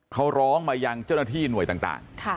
เขาร้องมายังเจ้าหน้าที่หน่วยต่าง